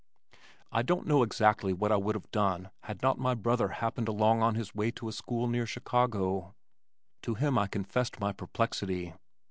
I don't know exactly what I would have done had not my brother happened along on his way to a school near Chicago. To him I confessed my perplexity.